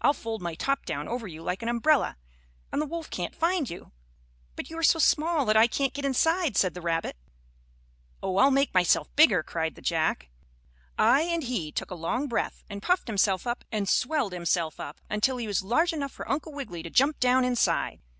"I'll fold my top down over you like an umbrella, and the wolf can't find you." "But you are so small that I can't get inside," said the rabbit. "Oh, I'll make myself bigger," cried the Jack, I and he took a long breath, and puffed himself up and swelled himself up, until he was large enough for Uncle Wiggily to jump down inside.